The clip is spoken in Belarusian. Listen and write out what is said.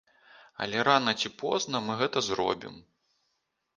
Але рана ці позна мы гэта зробім.